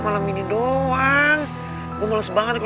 gua ngasal ada yang ngemuk dengan gue